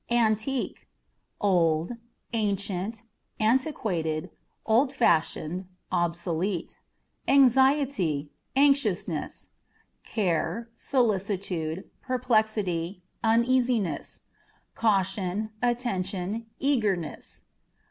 Antiqueâ€" old, ancient, antiquated, old fashioned, obsolete. Anxiety, Anxiousness â€" care, solicitude, perplexity, uneasi ness ; caution, attention, eagerness.